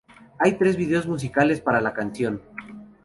Hay tres videos musicales para la canción.